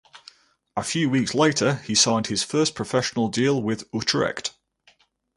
A few weeks later he signed his first professional deal with Utrecht.